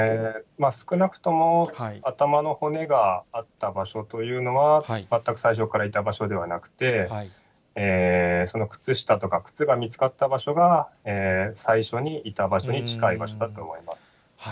少なくとも、頭の骨があった場所というのは、まったく最初からいた場所ではなくて、その靴下とか靴が見つかった場所が、最初にいた場所に近い場所だと思います。